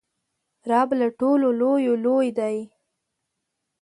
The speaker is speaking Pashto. رب له ټولو لویو لوی دئ.